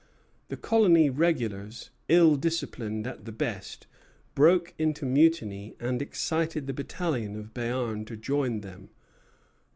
The colony regulars, ill disciplined at the best, broke into mutiny, and excited the battalion of Béarn to join them.